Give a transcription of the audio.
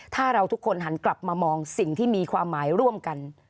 ถ้าเราทุกคนหันกลับมามองสิ่งที่มีความหมายร่วมกัน